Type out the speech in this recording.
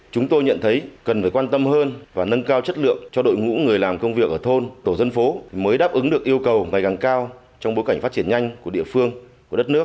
chúng tôi nhận thấy cần phải quan tâm hơn và nâng cao chất lượng cho đội ngũ người làm công việc ở thôn tổ dân phố mới đáp ứng được yêu cầu ngày càng cao trong bối cảnh phát triển nhanh của địa phương của đất nước